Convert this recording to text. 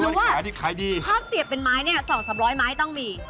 หรือว่าถ้าเสียบเป็นไม้นี่๒๓๐๐ไม้ต้องมี